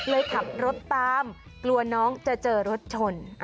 เลยขับรถตามกลัวน้องจะเจอรถชน